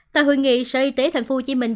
tại hội nghị sở y tế thành phố hồ chí minh